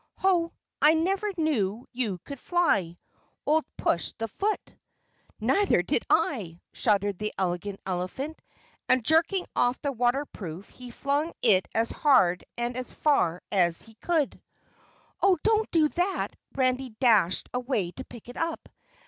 Ho! I never knew you could fly, old Push the Foot." "Neither did I," shuddered the Elegant Elephant, and jerking off the waterproof he flung it as hard and as far as he could. "Oh, don't do that!" Randy dashed away to pick it up.